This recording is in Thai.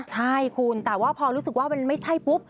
ใช่คุณแต่ว่าพอรู้สึกว่ามันไม่ใช่ปุ๊บ